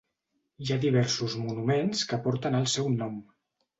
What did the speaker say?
Hi ha diversos monuments que porten el seu nom.